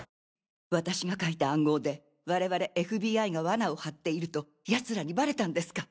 私が書いた暗号で我々ＦＢＩが罠を張っていると組織にバレたんですか？